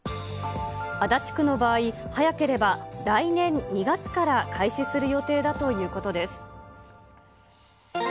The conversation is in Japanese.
足立区の場合、早ければ来年２月から開始する予定だということです。